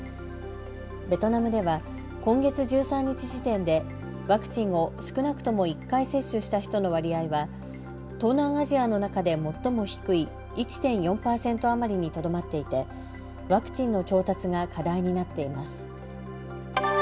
ベトナムでは今月１３日時点でワクチンを少なくとも１回接種した人の割合は東南アジアの中で最も低い１．４％余りにとどまっていてワクチンの調達が課題になっています。